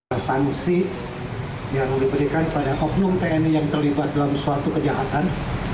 tersangsi yang diberikan pada oknum tni yang terlibat dalam suatu kejahatan